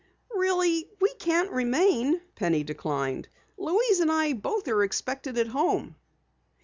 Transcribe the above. "Really we can't remain," Penny declined. "Louise and I both are expected at home."